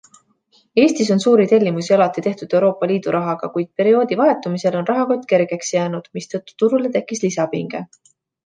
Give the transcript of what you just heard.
Eestis on suuri tellimusi alati tehtud Euroopa Liidu rahaga, kuid perioodi vahetumisel on rahakott kergeks jäänud, mistõttu turule tekkis lisapinge.